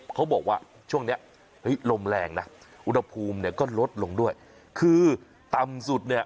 เขาบอกว่าช่วงเนี้ยเฮ้ยลมแรงนะอุณหภูมิเนี่ยก็ลดลงด้วยคือต่ำสุดเนี่ย